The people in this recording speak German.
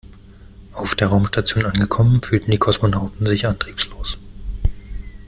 Auf der Raumstation angekommen fühlten die Kosmonauten sich antriebslos.